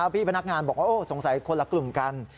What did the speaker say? พี่พนักงานบอกว่าสงสัยคนละกลุ่มกัน